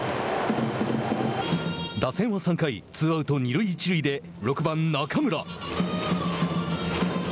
打線は３回ツーアウト、二塁一塁で６番、中村。